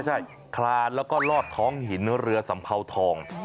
ใช่คลานแล้วก็ลอดท้องหินเรือสัมเภาทอง